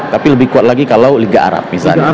tapi lebih kuat lagi kalau liga arab misalnya